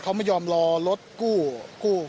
เขาไม่ยอมรอรถกู้กู้